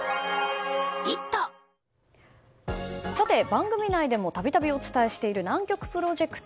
番組内でもたびたびお伝えしている南極プロジェクト。